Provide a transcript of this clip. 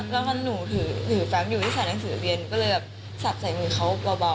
แล้วก็หนูถือแฟมอยู่ที่ใส่หนังสือเรียนก็เลยแบบสับใส่มือเขาเบา